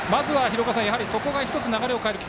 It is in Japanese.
やはり、そこが１つ、流れを変えるき